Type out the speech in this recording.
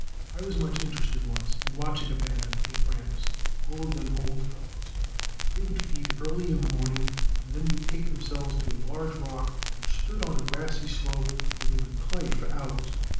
I was much interested once in watching a band of eight rams, all of them old fellows. They would feed early in the morning and then betake themselves to a large rock which stood on a grassy slope, where they would play for hours.